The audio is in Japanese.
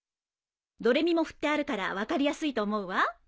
ドレミもふってあるから分かりやすいと思うわ。